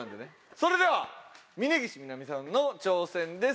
それでは峯岸みなみさんの挑戦です。